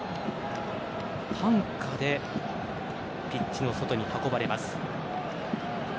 担架でピッチの外に運ばれます。